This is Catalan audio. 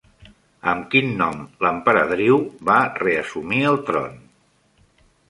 Amb quin nom l'emperadriu va reassumir el tron?